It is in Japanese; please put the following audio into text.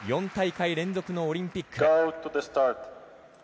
４大会連続のオリンピック。